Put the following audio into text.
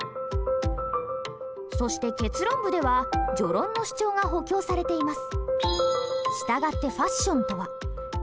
そして結論部では序論の主張が補強されています。